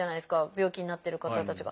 病気になってる方たちが。